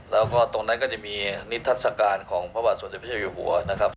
แล้วก็ตรงนั้นจะมีนิทรรศการของพระบาทสวรรค์สวรรค์พระเจ้าอยู่หัว